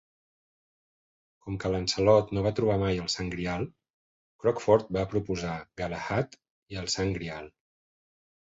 Com que Lancelot no va trobar mai el Sant Grial, Crockford va proposar "Galahad i el Sant Grial".